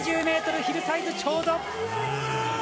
１４０メートル、ヒルサイズちょうど。